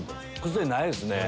癖ないですね。